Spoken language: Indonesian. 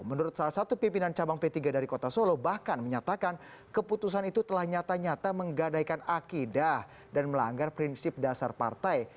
menurut salah satu pimpinan cabang p tiga dari kota solo bahkan menyatakan keputusan itu telah nyata nyata menggadaikan akidah dan melanggar prinsip dasar partai